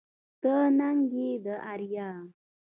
ته ننگ يې د اريا